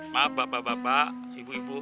maaf bapak bapak bapak ibu ibu